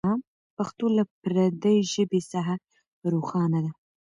پښتو له پردۍ ژبې څخه روښانه ده.